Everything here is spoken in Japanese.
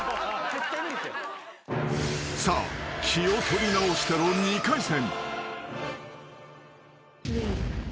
［さあ気を取り直しての２回戦］